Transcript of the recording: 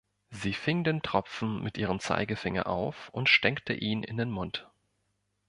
Sie fing den Tropfen mit ihrem Zeigefinger auf und steckte ihn in den Mund.